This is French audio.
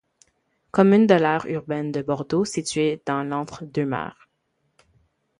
Commune de l'aire urbaine de Bordeaux située dans l'Entre-deux-Mers.